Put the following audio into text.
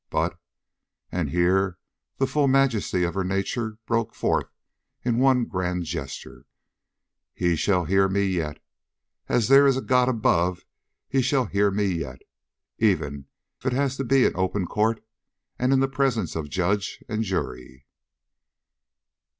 But," and here the full majesty of her nature broke forth in one grand gesture, "he shall hear me yet! As there is a God above, he shall hear me yet, even if it has to be in the open court and in the presence of judge and jury!"